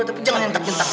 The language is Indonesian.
tapi jangan nyentap nyentap